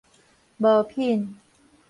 無品